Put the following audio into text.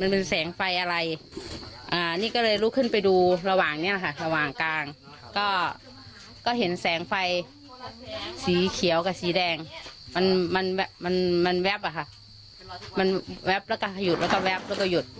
มันแว๊บแล้วก็หยุดแล้วก็แว๊บแล้วก็หยุด